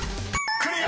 ［クリア！］